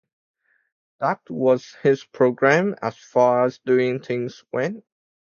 That was his programme as far as doing things went.